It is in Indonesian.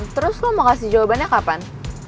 terus kok mau kasih jawabannya kapan